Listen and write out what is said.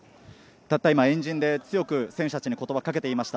たった今、円陣で強く選手たちにことばかけていました。